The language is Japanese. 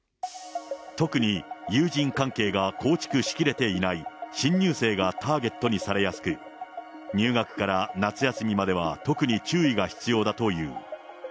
特に友人関係が構築しきれていない新入生がターゲットにされやすく、入学から夏休みまでは特に注意が必要だという。